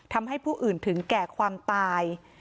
ทำให้ผู้อื่นถึงแก่ความตาย